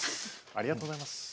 ありがとうございます。